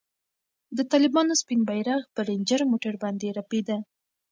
د طالبانو سپین بیرغ پر رنجر موټر باندې رپېده.